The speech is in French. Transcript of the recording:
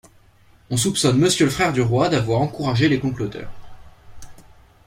On soupçonne Monsieur le frère du roi d'avoir encouragé les comploteurs.